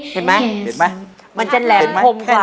เห็นไหมมันจะแหลมผมกว่า